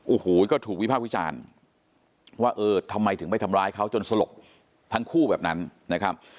โอ้โหก็ถูกวิภาควิจารณ์ว่าเออทำไมถึงไปทำร้ายเขาจนสลบทั้งคู่แบบนั้นนะครับ